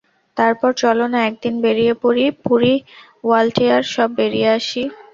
তারপর চলো না একদিন বেরিয়ে পড়ি, পুরী ওয়ালটেয়ার সব বেড়িয়ে আসি?